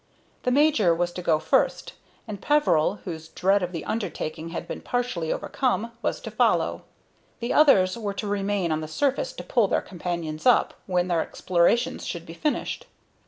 The major was to go first, and Peveril, whose dread of the undertaking had been partially overcome, was to follow. The others were to remain on the surface to pull their companions up, when their explorations should be finished.